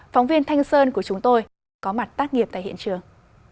phóng viên thanh sơn của chúng tôi đã có mặt tác nghiệp tại hiện trường